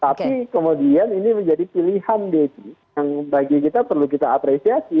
tapi kemudian ini menjadi pilihan deddy yang bagi kita perlu kita apresiasi